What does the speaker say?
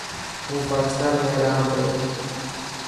هون پاڪتان ۾ رهنا پيو.